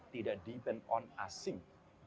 tidak bergantung pada asing